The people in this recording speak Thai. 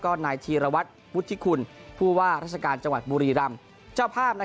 ก็นายธีรวรรษพุธธิคุณผู้ว่าราชการจังหวัดบุรีรัมจะภาพนะ